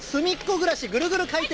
ぐらしぐるぐる回転！